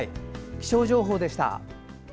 気象情報でした。